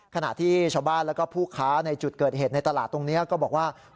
ขณะที่ชาวบ้านแล้วก็ผู้ค้าในจุดเกิดเหตุในตลาดตรงนี้ก็บอกว่า